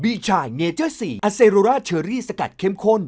ชายเนเจอร์๔อเซโรราเชอรี่สกัดเข้มข้น